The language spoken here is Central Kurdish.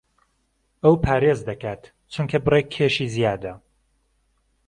ئەو پارێز دەکات چونکە بڕێک کێشی زیادە.